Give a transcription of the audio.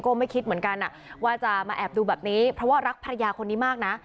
ไม่คิดเหมือนกันว่าจะมาแอบดูแบบนี้เพราะว่ารักภรรยาคนนี้มากนะ